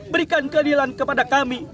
berikan kelelilan kepada kami